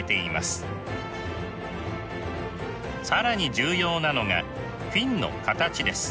更に重要なのがフィンの形です。